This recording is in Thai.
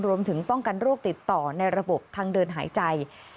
รวมถึงป้องกันโรคติดต่อในระบบทางเดินหายใจ